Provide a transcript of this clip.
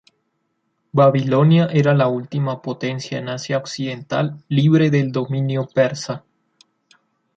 Babilonia era la última potencia en Asia occidental libre del dominio persa.